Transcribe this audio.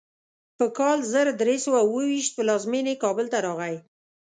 په کال زر درې سوه اوو ویشت پلازمینې کابل ته راغی.